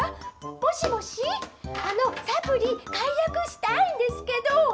もしもし、あのサプリ、解約したいんですけど。